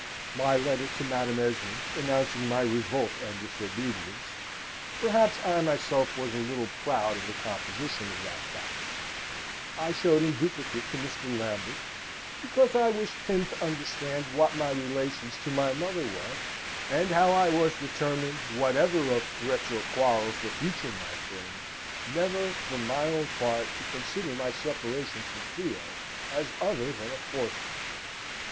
My letter to Madam Esmond, announcing my revolt and disobedience (perhaps I myself was a little proud of the composition of that document), I showed in duplicate to Mr. Lambert, because I wished him to understand what my relations to my mother were, and how I was determined, whatever of threats or quarrels the future might bring, never for my own part to consider my separation from Theo as other than a forced one.